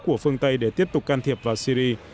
của phương tây để tiếp tục can thiệp vào syri